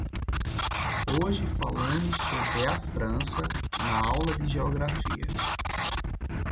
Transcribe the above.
Hoje falamos sobre a França na aula de geografia.